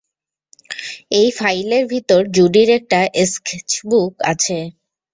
এই ফাইলের ভেতর জুডির একটা স্কেচবুক আছে।